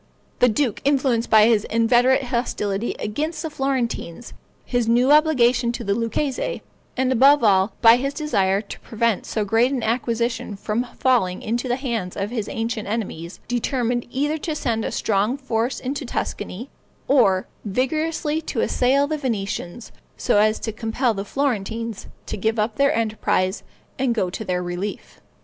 The duke, influenced by his inveterate hostility against the Florentines, his new obligation to the Lucchese, and, above all, by his desire to prevent so great an acquisition from falling into the hands of his ancient enemies, determined either to send a strong force into Tuscany, or vigorously to assail the Venetians, so as to compel the Florentines to give up their enterprise and go to their relief.